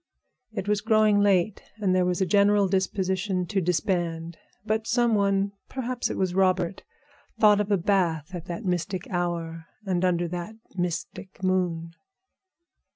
It was growing late, and there was a general disposition to disband. But some one, perhaps it was Robert, thought of a bath at that mystic hour and under that mystic moon.